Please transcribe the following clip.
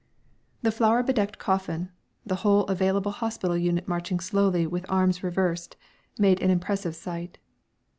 The flower bedecked coffin, the whole available hospital unit marching slowly with arms reversed, made an impressive sight.